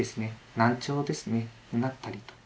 難聴ですねなったりとか。